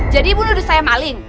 jadi bu menurut saya maling